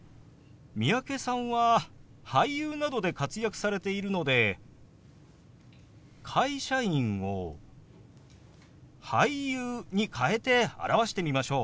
三宅さんは俳優などで活躍されているので「会社員」を「俳優」に変えて表してみましょう。